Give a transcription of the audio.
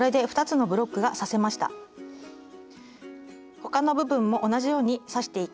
他の部分も同じように刺していき